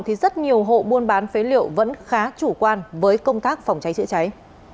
thì rất nhiều hộ buôn bán phế liệu vẫn khá chủ quan với công tác phòng cháy chữa cháy